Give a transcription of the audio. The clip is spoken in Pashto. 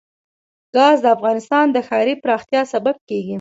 ګاز د افغانستان د ښاري پراختیا سبب کېږي.